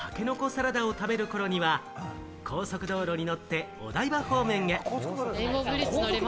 サラダを食べる頃には、高速道路に乗ってお台場方面へ。